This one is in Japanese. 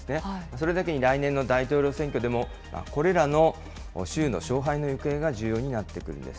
それだけに来年の大統領選挙でも、これらの州の勝敗の行方が重要になってくるんです。